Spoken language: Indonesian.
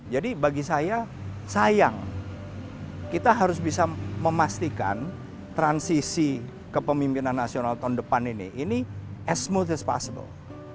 jadi bagi saya sayang kita harus bisa memastikan transisi kepemimpinan nasional tahun depan ini as smooth as possible